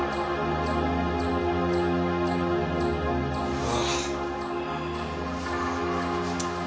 うわ。